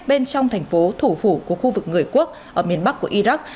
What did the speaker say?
bên trong thành phố thủ phủ của khu vực người quốc ở miền bắc của iraq